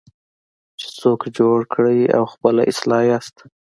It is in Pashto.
چې څوک جوړ کړئ او خپله اصلاح یاست.